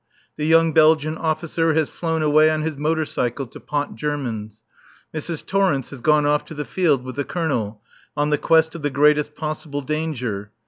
The young Belgian officer has flown away on his motor cycle to pot Germans; Mrs. Torrence has gone off to the field with the Colonel on the quest of the greatest possible danger.